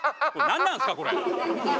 何なんすかこれ。